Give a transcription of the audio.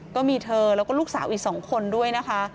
ก็มีเธอแล้วก็ลูกสาวอีก๒คนด้วยนะคะ